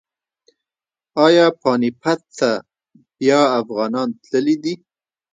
ایا پاني پت ته بیا افغانان تللي دي؟